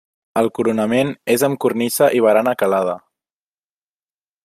El coronament és amb cornisa i barana calada.